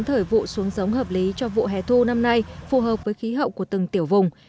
thời vụ xuống giống hợp lý cho vụ hè thu năm nay phù hợp với khí hậu của từng tiểu vùng